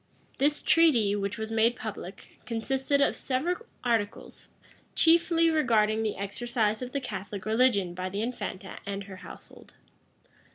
This treaty, which was made public, consisted of several articles, chiefly regarding the exercise of the Catholic religion by the infanta and her household.